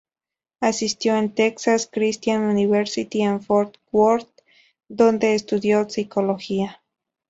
Asistió a Texas Christian University en Fort Worth, donde estudió psicología.